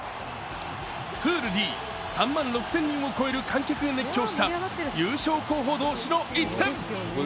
プールＤ、３万６０００人を超える観客が熱狂した優勝候補同士の対戦。